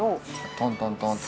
トントントンと。